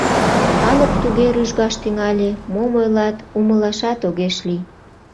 Калык туге рӱжгаш тӱҥале, мом ойлат — умылашат огеш лий.